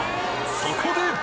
そこで！